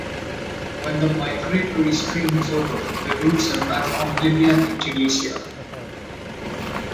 When the migratory stream is over, the routes are back on Libya and Tunisia.